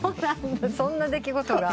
そんな出来事が？